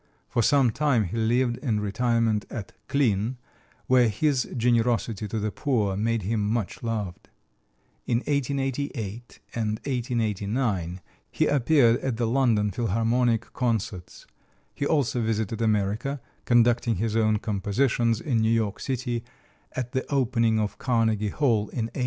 For some time he lived in retirement at Klin, where his generosity to the poor made him much loved. In 1888 and 1889 he appeared at the London Philharmonic concerts. He also visited America, conducting his own compositions in New York City at the opening of Carnegie Hall in 1891.